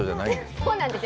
そうなんですよ。